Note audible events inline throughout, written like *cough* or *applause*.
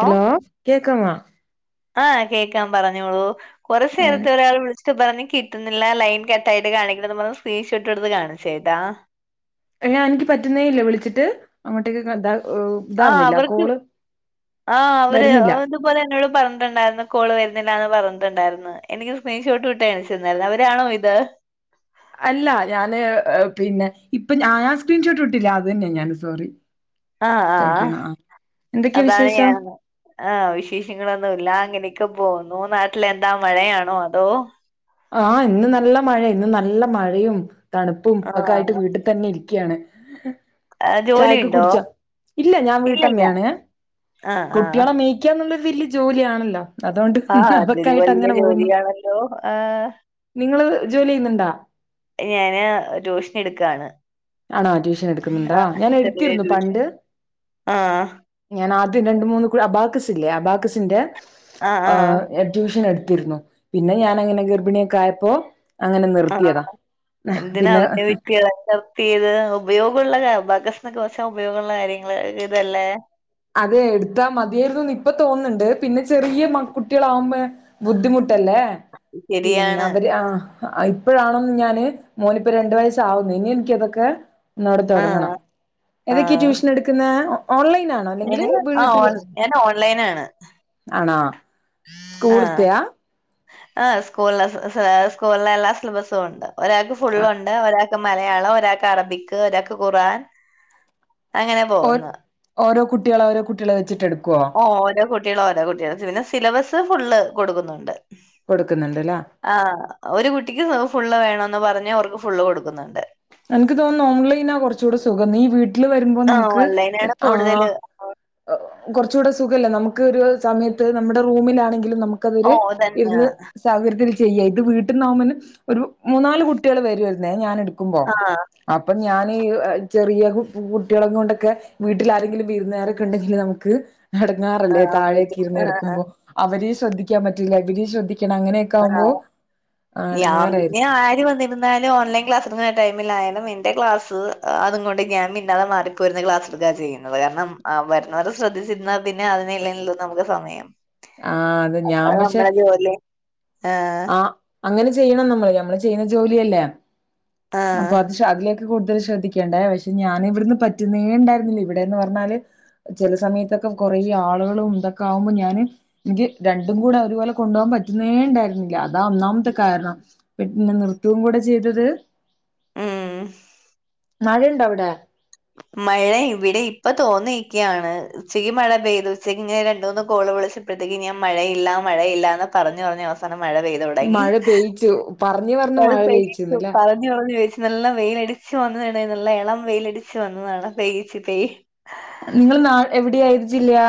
Hello കേക്കവാ ആഹ കേക്കാൻ പറഞ്ഞോളൂ കുറ നേരത്തെ ഒരാൾ വിളിച്ച പറഞ്ഞഞ് കിട്ടുന്നില്ല ലൈൻ കട്ട ആയിട്ട് കാണിക്ക പറഞ്ഞ സ്ക്രീൻഷോട്ട് എടുത്ത് കാണിച്ചേട്ടാ ഞാൻ എനിക്ക് പറ്റുന്നേല്ല വിളിച്ചിട്ട് അങ്ങോട്ടേക്ക് ആ ഇതാവുന്നില്ല അവർക്ക് കോള് ആ അവര് വരുന്നില്ല അതുപോലെ എന്നോട് പറഞ്ഞിണ്ടായി കോൾ വരുന്നില്ല എന്ന് പറഞ്ഞിട്ടണ്ടായിരുന്നു എനിക്ക് സ്ക്രീൻഷോട്ട് ഇട്ടുകാണ്ച്ച അവരാണോ ഇത് അല്ല ഞാന് പിന്നെ ഇപ്പൊ ആ സ്ക്രീൻഷോട്ട് ഇട്ടില്ല അത് തന്നെയ ഞാൻ സോറി ആഹ ആഹ ക്ഷമിക്കണം ആ എന്തൊക്കെയാ അതാണ് ഞ വിശേഷം ആഹ വിശേഷങ്ങളൊന്നുമല്ല അങ്ങനെയൊക്കെ പോന്നു നാട്ടിലെന്താ മഴയാണോ അതോ ആഹ് ഇന്ന് നല്ല മഴ ഇന്ന് നല്ല മഴയും തണുപ്പും ഒക്കെ ആയിട്ട് ആഹ് വീട്ടിൽ തന്നെ ഇരിക്കുകയാണ് ആഹ് ചായക്ക് ജോലിയുണ്ടോ കുടിച്ച ഇല്ല ഞാൻ ഇല്ലല്ല വീട്ടമ്മയാണ് ഏ ആഹ് ആഹ് കുട്ടികളെ മേയ്ക്ക്. ക്കന്നുള്ളരു വലിയ ജോലിയാണല്ലോ അതുകൊണ്ട് അതൊക്കായിട്ട് അങ്ങനെ പോകുന്നു. ഹലോ ആഹ. നിങ്ങള് ജോലി ചെയ്യുന്നുണ്ടാ? ഞാന് ട്യൂഷൻ എടുക്കയാണ്. ആണോ ട്യൂഷൻ എടുക്കുന്നുണ്ടാ ഞാൻ എടുത്തിരുന്നു പണ്ട് ആഹ് ഞാൻ ആദ്യം രണ്ട മൂന്ന് കുഴി അബാക്കസല്ലേ അബാക്കസിന്റെ ആ ഞാൻ ട്യൂഷനെടുത്തിരുന്നു പിന്നെ ഞാൻ അങ്ങനെ ഗർഭിണിയൊക്കെ ആയപ്പോ. അങ്ങനെ ആ നിർത്തിയതാ എന്തിനാ പിന്നെ അവന വിട്ട. *unintelligible* കുറച്ച ഉപയോഗമുള്ള കാര്യങ്ങൾ ഇതല്ലേ അതെ എടുത്താ മതിയായിരുന്നുന്ന് ഇപ്പ തോന്നുന്നുണ്ട് പിന്നെ ചെറിയ മക്ക കുട്ടികളാവുമ്പോ- ബുദ്ധിമുട്ടല്ലേ പിന്നെ ശരിയാണ് അവര് ആഹ് ഇപ്പോഴാണെന്ന് ഞാന് മോനിപ്പോ രണ്ടു വയസാവുന്നു ഇനി എനിക്കതൊക്കെ. ഒന്നൂടെ ആ തുടങ്ങണം ആ ഏതൊക്കെയ ട്യൂഷൻ എടുക്കുന്ന ഓൺലൈൻ ആണോ? അല്ലെങ്കില് ഞാന് ആ വീട്ടില് ഓൺ ഞാൻ ഓൺലൈനാണ് ആണാ ആ സ്കൂളത്തയാ? ആ സ്കൂള സ്കൂളിലെ എല്ലാ സിലബസും ഉണ്ട് ഒരാൾക്ക് ആ ഫുള്ളും ഉണ്ട്. ഒരാൾക്ക് മലയാളം ഒരാൾക്ക് അറബിക് ഒരാൾക്ക് ഖുറാൻ അങ്ങനെ ഓ പോകുന്നു. ഓരോ കുട്ടികൾ ഓരോകുട്ടികളെ വെച്ചിട്ടെടുക്കോ? ഓ ഓരോ കുട്ടികളും ഓരോ കുട്ടികൾ പിന്നെ സിലബസ് ഫുള്ള് കൊടുക്കുന്നുണ്ട്. കൊടുക്കുന്നുണ്ട്ല്ലേ? ആഹ ഒരു കുട്ടിക്ക് ഫുള്ള് വേണന്ന് പറഞ്ഞ് അവർക്ക് ഫുള്ള് കൊടുക്കുന്നുണ്ട്. എനിക്ക് തോന്നുന്നു ഓൺലൈനാ കുറച്ചുകൂടെ സുഖം എന്ന് ഈ വീട്ടില് വരുമ്പോ ആഹ് നമുക്ക് ഓൺലൈനാണ് ആഹ്. കൂടുതല് കുറച്ച് കൂടെ സുഖല്ലേ നമുക്ക് ഒരു സമയത്ത് നമ്മുടെ റൂമിലാണെങ്കിലും നമുക്ക് ഓ ക്കാതൊരു തന്നെ ഇരുന്ന്. സൗകര്യത്തിൽ ചെയ്യുക ഇത് വീട്ടന്നാവുമ്പോ ഒരു മൂന്നാല് കുട്ടികൾ വരുവായിരുന്നേ ഞാന് എടു ക്കുമ്പോ ആഹ് അപ്പൊ ഞാൻ ഈ ചെറിയ കു കുട്ടികളെ കൊണ്ടൊക്കെ വീട്ടിൽ ആരെങ്കിലും വിരുന്നുകാരൊക്കെ ഉണ്ടെങ്കിൽ നമുക്ക് എടങ്ങേറല്ലേ ആഹ് താഴെയൊക്കെ ഇരുന്ന് ബുദ്ധിമുട്ട് ആഹ് എടുക്കുമ്പോ അവരേ ശ്രദ്ധിക്കാൻ പറ്റില്ല ഇവരെയും ശ്രദ്ധിക്കണം അങ്ങനെ. ആഹ് ഞാൻ പിന്നെ ആര് വന്നി ഇരുന്നാലും ഓൺലൈൻ ക്ലാസ് തൊടങ്ങുന്ന ടൈമിലായാലും എന്റെ ക്ലാസ് അതും കൊണ്ട് ഞാൻ പിന്നാലെ മാറി രുന്ന് ക്ലാസ് എടുക്കാ ചെയ്യുന്നത് കാരണം വരുന്നവർ ശ്രദ്ധിച്ചിരുന്നൽ പിന്നെ അതിനെല്ലെ നമുക്ക് സമ യം. ആഹ് അത് ഞാൻ പക്ഷെ. ജോലി. ആഹ്. ആ അങ്ങനെ ചെയ്യണം നമ്മള് ഞമ്മള് ചെയ്യുന്ന ജോലിയല്ലേ അപ്പ ആഹ് അത് പക്ഷെ അതിലൊക്കെ കൂടുതൽ ശ്രദ്ധിക്കേണ്ടേ പക്ഷെ ഞാനിവിടുന്ന് പറ്റുന്നേ ഉണ്ടായിരുന്നില്ല ഇവിടെന്ന് പറഞ്ഞാല്. ചില സമയത്തൊക്കെ കൊറെ ആളുകളും ഇതൊക്കെ ആകുമ്പോ ഞാന്. എനിക്ക് രണ്ടും കൂടെ ഒരുപോലെ കൊണ്ടോകാൻ പറ്റുന്നേ ഉണ്ടായിരുന്നില്ല. അതാ ഒന്നാമത്തെ കാരണം പി പിന്നെ നിർത്തുംകൂടെ ചെയ്തത്. ഉം. മഴയുണ്ടോ അവിടെ? മഴ ഇവിടെ ഇപ്പൊ തോർന്നു നിക്കയാണ്. ഉച്ചയ്ക്ക് മഴ പെയ്തു ഉച്ചയ്ക്ക് ഇങ്ങനെ രണ്ട്മൂന്ന് കോള് വിളിച്ചപ്പോഴത്തേക്ക് ഞാൻ മഴയില്ല മഴയില്ല എന്ന് പറഞ്ഞ് പറഞ്ഞ് അവസ സാനം മഴ പെയ്യ്തു. മഴ പെയ്യിച്ചു പറഞ്ഞ് പറഞ്ഞു മഴ പെയ്യിച്ചുന്നല്ലേ. *unintelligible* നല്ല വെയിലടിച്ചു വന്നതാണ് നല്ല ഇളം വെയിലടടിച്ച് വന്നതാണ് പെയ്യിച്ചുപേയ്. നിങ്ങൾ നാട് എവിടെയാ ഏത് ജില്ലയാ?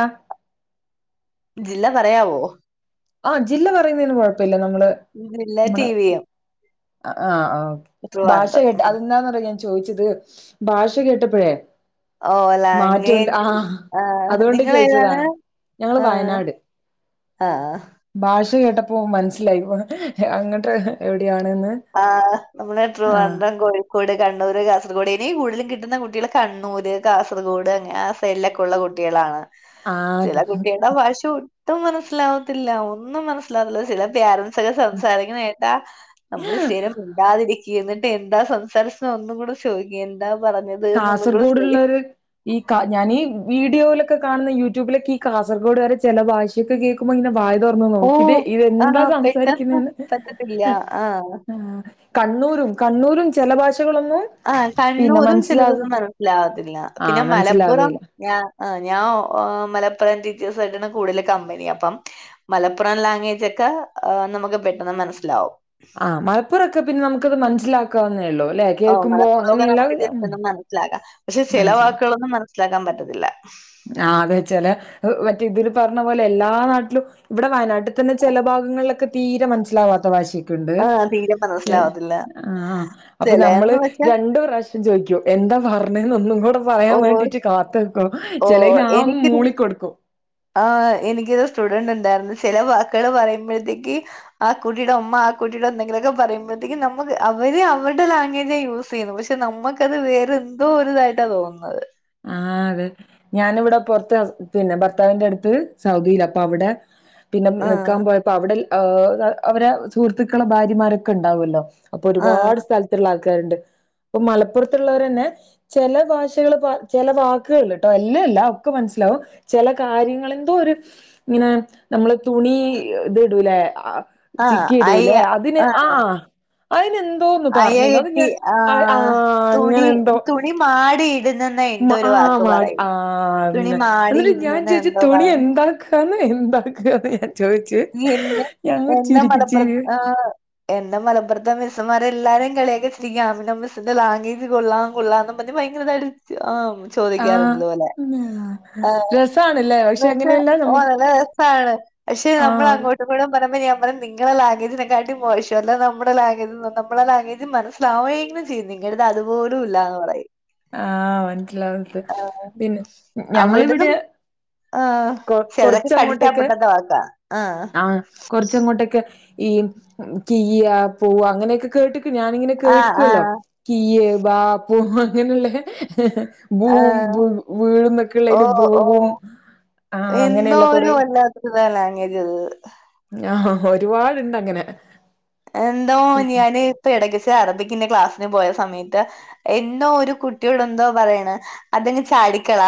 ജില്ല പറയാവോ? ഓഹ് ജില്ല പറയുന്നതിന് കൊഴപ്പമില്ല നമ്മള്. ഇല്ല നമ്മുടെ ടിവിയും. ആഹ് ആഹ് ഓക്കെ ഭാഷ ട്രിവാൻഡ്രം കേട്ട് അതെന്താന്ന് അറിയോ ഞാൻ ചോദിച്ചത് ഭാഷ കേട്ടപ്പോഴേ. ഓ മാറ്റ ഇണ്ട് ലാംഗ്വേജ് ആഹ് ആഹ് അതുകൊണ്ട് നിങ്ങളേതാണ് ചോയിച്ചതാണ് ഞങ്ങള് ആഹ് വയനാട്. ആഹ്. ഭാഷ കേട്ടപ്പോ മനസ്സിലായി അങ്ങട്ട് എവിടെയോ ആണ്ന്ന്. ആഹ് നമ്മളെ ട്രിവാൻഡ്രം, കോഴി ക്കോട്, കണ്ണൂർ, കാസർഗോഡ്, ഇനി കൂടുതലും കിട്ടുന്ന കുട്ടികള് കണ്ണൂര്, കാസർഗോഡ്, അങ്ങനെ ആഹ്. സെഡിലെക്കെയുള്ള കുട്ടികളാണ് ചില ആഹ് കുട്ടികളുടെ ഭാഷയോ ഒട്ടും മനസ്സിലാവത്തില്ല ഒന്നും മനസ്സിലാവത്തില്ല ചില പോരൻസ് ഒക്കെ സംസാരിക്കുന്ന കേട്ടാ നമ്മള് സ്ഥിരം മിണ്ടാതിരിക്കും എന്നിട്ട് എന്താ സംസാരിച്ച് ഒന്നും കൂടെ ചോദിക്കും എന്താ പറഞ്ഞത്. എന്നൊന്നും കൂടെ കാസർഗോഡു ചോദി ഉള്ളൊരു ഈ കാ ഞാൻ ഈ വീഡിയോയിലൊക്കെ കാണുന്ന യൂട്യൂബിലൊക്കെ ഈ കാസർകോഡ് കാര് ചില ഭാഷയൊക്കെ കേക്കുമ്പോൾ ഇങ്ങനെ വാ യ് തുറന്ന് നോക്കിട്ട് ഓഹ് ഇതെന്താ ആഹ് പെട്ടെന്ന് സംസാരിക്കുന്നേന്ന് പറ്റത്തില്ല. ആഹ് ആഹ്. കണ്ണൂരും കണ്ണൂരും ചില ഭാഷകളൊന്നും ആഹ് പിന്നെ കണ്ണൂരും മനസ്സിലാവ ചിലതൊന്നും മനസ്സിലാവത്തില്ല പിന്നെ ആഹ് മലപ്പുറം മനസ്സിലാവേല ആഹ്. ആഹ് ഞാൻ മലപ്പുറം ടീച്ചേഴ്സ് ആയിട്ടാണ് കൂടുതൽ കമ്പനി അപ്പം. മലപ്പുറം ലാംഗ്വേജ് ഒക്കെ നമുക്ക് പെട്ടെന്ന് മനസ്സിലാവും. ആഹ് മലപ്പുറൊക്കെ പിന്നെ നമുക്കത് മനസ്സിലാക്കാവുന്നേ ഉള്ളൂ അല്ലേ. ഓഹ് മലപ്പുറൊക്കെ നമ്മുക്ക് ജസ്റ്റ് ഒന്നും മനസ്സിലാകാം പക്ഷെ ചില മനസ്സിലാവും വാക്കുകളൊന്നും മനസ്സിലാക്കാൻ പറ്റത്തില്ല. ആഹ് അതെ ചില മറ്റേ ഇതില് പറഞ്ഞ പോലെ എല്ലാ നാട്ടിലും ഇവിടെ വയനാട്ടി ഇവിടെ തന്നെ ചെല ഭാഗങ്ങളിലൊക്കെ തീരെ മനസ്സിലാവാത്ത ഭാഷെ ക്ക്ണ്ട് ആഹ് തീരെ മനസ്സിലാവത്തില്ല. ആഹ് അപ്പ നമ്മള് ചിലേന്ന് വെച്ചാ രണ്ട് പ്രാവി ചോദിക്കും എന്താ പറഞ്ഞെന്ന് ഒന്നും കൂടെ പറയാൻ ഓ വേണ്ടിട്ട് കാത്ത്ക്കും ഓ ചിലയിന് ആഹ് ന്ന് എനിക്കൊരു മൂളി കൊടുക്കും ആഹ് എനിക്കൊരു സ്റ്റുഡന്റ് ഉണ്ടായിരുന്നു ചില വാക്കുകൾ പറയുമ്പോഴത്തേക്ക് ആഹ് കുട്ടിടെ ഉമ്മ ആഹ് കുട്ടീടെ എന്തെങ്കിലൊക്കെ പറയുമ്പോഴത്തേക്കും നമുക്ക് അവര് അവരുടെ ലാംഗ്വേജെ യൂസ് സെയ്യുന്നു പക്ഷെ നമ്മുക്കത് വേറെ എന്തോ ഒരുതായിട്ടാ തോന്നുന്നത് ആഹ് അതെ ഞാനിവിടെ പൊറത്ത് പിന്നെ ഭർത്താവിന്റെ അടുത്ത് സൗദിയില്ല അപ്പൊ അവിടെ പിന്നെ നിൽക്കാൻ ആഹ് പോയപ്പോ ങ് അവിടെ അവരെ സുഹൃത്തുക്കളെ ഭാര്യമാരൊക്കെ ഉണ്ടാവല്ലോ അപ്പൊ ഒരുപാട് ആഹ് സ്ഥലത്ത്ള്ള ആൾക്കാരുണ്ട് ഇപ്പൊ മലപ്പുറത്തുള്ളവരെന്നെ ചില ഭാഷകള് പ ചിലെ വാക്കുകള് ട്ടോ എല്ലാംല്ല ഒക്കെ മനസ്സിലാവും ചില കാര്യങ്ങള് എന്തോ ഒരു ഇങ്ങനെ നമ്മള് തുണി ഇത് ഇടൂല്ലെ ആഹ് ചിക്കിയിടൂല്ലെ അയ്യ അതിന് ആഹ് അതിനെ ന്തോന്ന് അയ പറഞ്ഞിന് അത് കെട്ടി ഞാൻ ആഹ് അങ്ങനെന്തൊ നീളമാടി ഇടുന്നെന്ന് എന്തോ ഒരു ആഹ് വാക്ക് മാ പറയും ആഹ് തുണി അതന്നെ മാടി എന്നിട്ട് ഞാൻ ഇടുന്നെന്ന് ചോയിച്ച് എന്തോ പറ തുണി എന്താ ക്കാന്ന് എന്താക്കന്ന് ഞാൻ ചോയി നീ എന്നെ എന്ന മലപ്പുറ ആഹ് എന്റെ മലുറത്ത് മിസ്മാരെല്ലാരും കളിയാക്കി ചിരിക്കും ആമിന മിസ്സിന്റെ ലാംഗ്വേജ് കൊള്ളാം കൊള്ളാംന്ന് പറഞ്ഞ് ഭയങ്കര ആഹ് ആ ചോദിക്കാറുണ്ട് അതുപൊലെ രസാണല്ലേ എന്ന പക്ഷെ വെച്ചാ അങ്ങനെയല്ല ഓ നമുക്ക് നല്ല രസമാണ് ആ നമ്മൾ അങ്ങോട്ട് *unintelligible* പറഞ്ഞപൊ ഞാൻ പറയും നിങ്ങളെ ലാംഗവേജിനെക്കാട്ടി മോശോ അല്ല നമ്മുടെ ലാംഗ്വേജ് നമ്മുടെ ലാംഗ്വേജ് മതി ലാവെങ്കിലും ചെയ്യും നിങ്ങളടത് അതുപോലും ഇല്ലന്ന് പറയും ആഹ് മനസിലാവുന്നത് ആഹ് പിന്നെ ഞങ്ങളിവിടെ അവരുടേതും ആഹ് കൊ ചെലത് കൊറച്ചങ്ങോട്ടൊക്കെ കടിച്ചാപ്പൊട്ടാത്തെ വക്കാ ആഹ് ആഹ് കൊറച്ചങ്ങോട്ടൊക്കെ ഈ കീയ പൂവ അങ്ങനെയൊക്കെ കേട്ടി ഞാനിങ്ങനെ ആഹ് കേൾക്കുവല്ലോ ആഹ് കീയ് ബാപ്പു അങ്ങനെയുള്ള ബും ആഹ് ബും വീളന്നൊക്കെയള്ളതിന് ഓഹ് ഭൂവും ഓഹ് ആഹ് അങ്ങനെയല്ല കൊറെ അത് *unintelligible* ലാംഗ്വേജ് അത് ഞാ ഹൊ ഹൊ ഒരു പാട് ഉണ്ട് അങ്ങനെ എന്തോ ഞാന് ഇപ്പ ഇടകിച്ച് അറബിക്കിന്റെ ക്ലാസ്സിന് പോയ സമയത്ത് എന്തോ ഒരു കുട്ടിയോട് എന്തോ പറയാണ് അതങ്ങ് ചാരിക്കള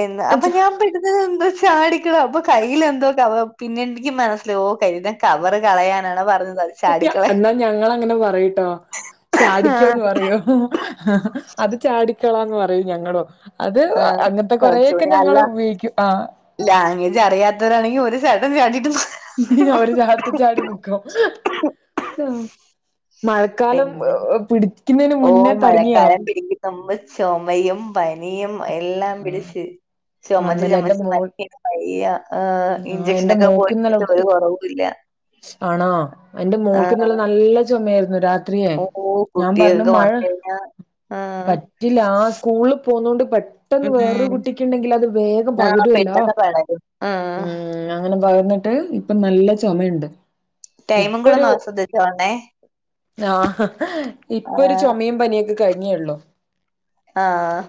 എന്ന് അച്ഛ അപ്പം ഞാൻ പെടും ന്ന് ഇത് എന്താ ചാടിക്കണം അപ്പൊ കയ്യിൽ എന്തൊ കവ പിന്നെ എനിക്ക് മനസ്സില ഓ കരുത കവറ് കളയാനാണ് പറഞ്ഞത് ചാടിക്കളയാൻ അന്നാ ഞങ്ങ അങ്ങനെ പറയട്ടോ ചാടിക്കോന്ന് പറയോ അത് ചാടിക്കളാന്ന് പറയും ഞങ്ങളോ അത് ആഹ് അങ്ങനത്തെ കൊറേക്കെ ഞങ്ങൾ ഉപയോഗിക്കും ആഹ് ലാംഗേജ് അറിയാത്തവരാണെങ്കിൽ ഒരു ചാട്ടം ചാടീട്ട് ഇ ഒരു ചാട്ടം ചാടി നിക്കും. മഴക്കാലം പിന്നെ *unintelligible* പിടിക്കുന്നതിന് മുന്നേ തുടങ്ങിയാ നമ്മ ചുമയും പനിയും എല്ലാം ആഹ് പിടിച്ച് ചുമച്ച് അന്നലെ എന്റെ ചുമച്ച് മോൾ മനുഷ്യന് വ ആ എന്റെ ഇഞ്ചക്ഷനൊക്കെ മോക്കിന്നലെ പോയിട്ട് ഒരു ഒട്ടും കുറവു ഇല്ല. ആണോ എന്റെ മോൾക് ഇന്നലെ ചുമയായിരുന്നു രാത് *unintelligible* ഓ ഞാൻ പറഞ്ഞു കുട്ടികൾക്ക് മഴ വന്ന് കഴിഞ്ഞാ ആഹ് പറ്റിലാ സ്കൂളിൽ പോന്നോണ്ട് പ പെട്ടെന്ന് വേറൊരു ഉം കുട്ടിക്കുണ്ടെങ്കിൽ അത് വേഗം ആഹ് പകരുല്ലോ പെട്ടെന്ന് വളരും ആഹ് ഉം അങ്ങനെ പകർന്നിട്ട് ഇപ്പൊ നല്ല ചൊമയുണ്ട്. ടൈമും കൂടെ ഇപ്പൊരു ഒന്ന് ശ്രദ്ധിച്ചോണേ ആഹ് ഇപ്പൊരു ആഹ് ചുമീം പനിയൊക്കെ കഴിഞ്ഞേള്ളൂ. ആഹ്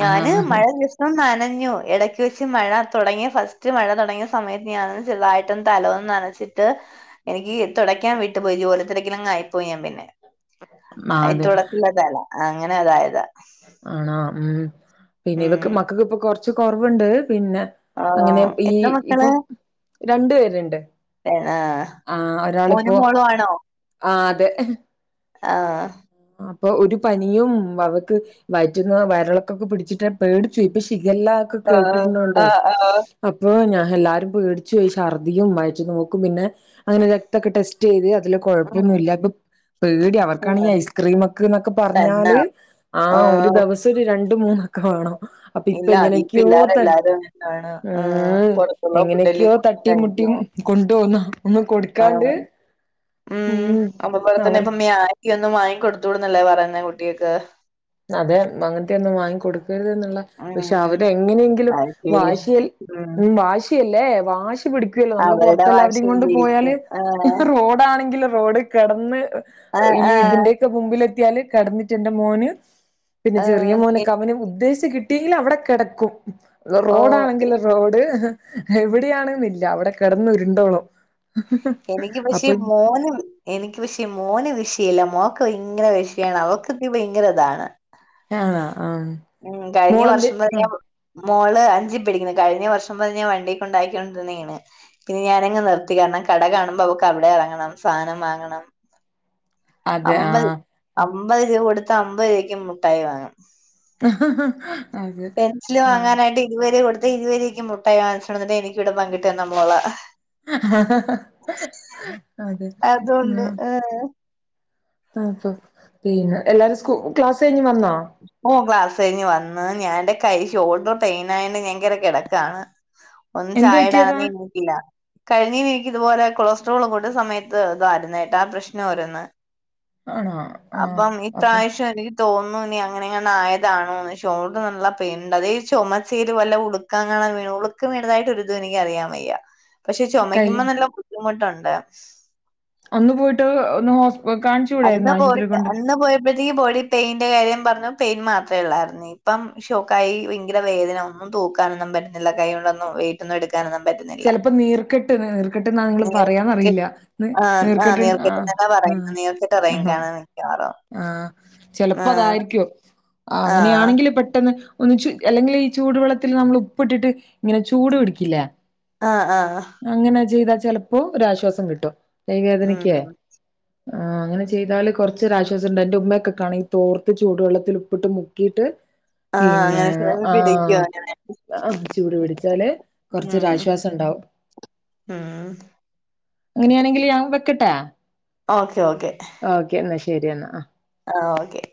ഞാന് ആഹ് മഴ നി ഇ നനഞ്ഞു എടക്ക് വെച്ച് മഴ തുടങ്ങിയ ഫസ്റ്റ് മഴ തുടങ്ങിയ സമയത്ത് ഞാനൊന്ന് ചെറുതായിട്ടൊന്ന് തലോന്ന് നനച്ച്. ത്തിട്ട് എനിക്ക് തൊടയ്ക്കാൻ വിട്ടു പോയി ജോലത്തിരക്കിലങ്ങായി പോയി ഞാൻ പിന്നെ അയ് അതെ തുടക്കില്ലതല്ല അങ്ങനെതായതാ ആണോ ം പിന്നെ ഇവക്ക് ഉം മക്കക്ക് പ്പൊ കൊർച്ച് കൊർവ്ണ്ട് പിന്നെ ആ അങ്ങനെ ഈ എത്ര മക്കള് ഇപ്പം രണ്ട് പേരുണ്ട്. ആഹ് ആ മോനും ഒരാളിപ്പോ മോള്വാണോ? ആ അതെ ആഹ് അപ്പൊ ഒരു പനിയും വവക്ക് വയറ്റിന്ന് വയറിളൊക്കൊക്കെ പിടിച്ചിട്ട് പേടിച്ചോയി ഇപ്പൊ ശിഗല്ല ഒക്കെ ആഹ് കേക്കിട്ടിര്ന്നൂടെ. ആഹ് ആഹ് അപ്പൊ ഞാൻ എല്ലാരും പേടിച്ചോയി ശർദ്ദിയും വയറ്റീന്നോക്കും പിന്നെ അങ്ങനെ രക്തക്കെ ടെസ്റ്റീത് അതില് ഉം കുഴപ്പൊന്നുല്ല ഇപ്പൊ പേടി അവർക്കാണെങ്കി ഉം ഐസ് മക്ക് ന്നൊക്കെ തന്നാ പറഞ്ഞാല് ആഹ് ഒരു ദിവസം ഒരു രണ്ട് മൂന്നൊക്കെ വേണം. അപ്പൊ ഇല്ല അതീ ഇപ്പെങ്ങനെയൊക്കെയോ ത പിള്ളേരെല്ലാരും അങ്ങനെയാണ് ആ ആഹ് പുറത്തുള്ള ഫുഡല്ലേ എങ്ങനെയക്കെയോ കൂടുതൽ തട്ടീം മുട്ടീം കഴിക്കും കൊണ്ടോന്ന ഒന്ന് കൊട്- ആഹ് ം അവർ *unintelligible* യൊന്നും വാങ്ങിക്കൊടുത്തൂടന്നല്ലേ പറയുന്നെ കുട്ടികക്ക്? അതെ അങ്ങൻത്തെന്നും വാങ്ങി കൊടുക്കരുതെന്നുള്ള പക്ഷെ ഉം അവരെ എങ്ങനെയെങ്കിലും അതെ വാശിയിൽ ഉം ം വാശിയല്ലേ വാശി പടിക്കൂല്ലോ നമ്മള് അവരുടെ പൊറത്തെ വാശി എല്ലാവരീം കൊണ്ട് പോയാല്. വിജയിക്കും ആഹ് ഹ് റോഡാണെങ്കില് റോഡ് കെടന്ന് ആഹ് ഈ ആഹ് ഇതിന്റെ തിന്റെ മുമ്പിലെത്യാല് കെടന്നിട്ടെന്റെ മോന് - പിന്നെ ചെറിയ ആഹ് എ മോനൊക്കെ അവനും ഉദ്ദേശിച്ച് കിട്ടിയെങ്കില് അവെടെ കെടക്കും. അത് ഓ എനി റോഡാണെങ്കില്റോഡ് ഹ് എവിടെയാണെന്നില്ല അവിടെ കെടന്ന് ഉരുണ്ടോളും. എനിക്ക് പശെ മോനും എനിക്ക് പശെ മോന് വിഷയില്ല മോക്ക് ഭയങ്കര വിഷയാണ് അവക്ക് തിരി ഭയങ്കര താണ്. ആണാ ആഹ്. ം കഴിഞ്ഞ മോളെന്ത് വർഷം *unintelligible* മോള് അഞ്ചി പടിക്കുന്നു കഴിഞ്ഞ വർഷം വരെ ഞാൻ വണ്ടി കുണ്ടാക്കിക്കൊണ്ടിര് ന്നേണ്. പിന്നെ ഞാനങ്ങ് നിർത്തി കാരണം കട കാണുമ്പോ അവക്ക് അവിടെ എറങ്ങണം സാധനം വാങ്ങണം. അതെ അമ്പത് ആഹ് അമ്പത് രൂപ കൊടുത്ത അമ്പത് രൂപക്ക് മിട്ടായി വാങ്ങും. അഹ് ഹ് ഹാ പെൻസില് വാങ്ങാനായിട്ട് ഇരുവരുവ കൊടുത്ത് ഇരുവരുപയ്ക്കും മുട്ടായി വാങ്ങിച്ചോണ്ട് വന്നിട്ട് എനിക്കിവിടെ പങ്കിട്ട് തന്ന മോള. അതെ അതുകൊണ്ട് ആഹ് അപ്പൊ പിന്നെ എല്ലാരും സ്ക്കൂ ക്ലാസ് കഴിഞ്ഞ് വന്നോ? ഓ ക്ലാസ്സഴിഞ്ഞ് വന്ന് ഞാന്റെ കൈ ഷോൾഡർ പെയിനാ യൊണ്ട് ഞാൻ കേറി കടക്കാണ്. *inaudible* ഒന്ന് പറ്റിയതാ ചായഇടാനെനിന്ന് ഇല്ല കഴിഞ്ഞവീക്ക് ഇതുപോലെ കൊളസ്ട്രോള് കൂട്യസമയത്ത് ഇതായിരുന്നേട്ടാ പ്രശ്നം ഓരുന്ന്. ആണോ? ആഹ് അപ്പം അപ്പൊ ഇപ്രാവശ്യം എനിക്ക് തോന്നു നി അങ്ങനെങ്ങണ്ടായതാണോന്ന് ഷോളഡ്റ് നല്ല പെയിൻ ഉണ്ട് അതെയ് ചൊമച്ചേൽല് വല്ല ഉളു ക്കാങ്ങണ വീണു ഉളുക്ക് വീണതായിട്ട് ഒരിതും എനിക്കറിയാവയ്യ. പക്ഷെ കൈ ചൊമക്കുമ്പോ നല്ല ബുദ്ധിമുട്ടുണ്ട്. ഒന്ന് പോയിട്ട് ഒന്ന് ഹോസ് കാ ൺച്ചു അതിന്റെ ബോഡിഅന്ന് പോയപ്പോഴത്തേക്ക് ബോഡി പെയിന്റെ കാര്യം പറഞ്ഞു പെയിൻ മാത്രേ ള്ളായിരുന്ന്. ഇപ്പം ഷോ കൈ വയങ്കര വേദന ഒന്നും തൂക്കാനൊന്നും പറ്റുന്നില്ല. കയ്യോണ്ടൊന്നും വെയിറ്റ് ഒന്നും എടുക്ക ക്കാനൊന്നും പറ്റുന്നി ചെലപ്പോ നീർക്കെട്ട് നീർക്കെട്ട് ന്നാ നിങ്ങള് നീർക്കെ പറയാന്നറിയില്ല. നീർക്കെട്ട് ആഹ് അതാ പറയുന്ന് ആഹ് നീർക്കെട്ട് ആണോ ഇറങ്ങിക്കാണും മിക്കവാറും. ആഹ് ആഹ് ചെലപ്പൊതായിരിക്കും. ആഹ് അങ്ങനെയാണെങ്കില് പെട്ടന്ന് ഒന്ന് ചൂ അല്ലെങ്കിൽ ഈ ചൂടുവെള്ളത്തിൽ നമ്മൾ ഉപ്പിട്ടിട്ട് ഇങ്ങനെ ചൂട് പിടിക്കില്ലേ ആഹ് ആഹ് ആഹ് അങ്ങനെ ചെയ്താ ചെലപ്പോ ഒരാശ്വാസം കിട്ടും കൈ ഉം വേദനക്കേ ആഹ് അങ്ങനെ ചെയ്താല് കൊറച്ച് യൊരു ആശ്വാസണ്ട് എന്റെ ഉമ്മയൊക്കെ കാണാ ഈ തോർത്ത് ചൂടുവെള്ളത്തില് ഉപ്പിട്ട് മുക്കിയിട്ട് ആഹ് പിന്നെ അങ്ങനെ ചിലത് പിടിക്കും ആഹ് അങ്ങനെ ആഹ് ചൂട് പിടിച്ചാല് കുറച്ച് ഒരു ഉം ആശ്വാസം ഇണ്ടാവും ഉം അങ്ങനെയാണെങ്കില് ഞാൻ വെക്കട്ടെ ഓക്കെ ഓക്കെ ഓക്കെ ഇന്നാ ശരി എന്നാ ആഹ് ആഹ് ഓക്കെ